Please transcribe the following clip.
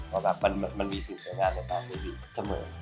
เพราะมันมีสิ่งสวยงานในตามที่มีเสมอ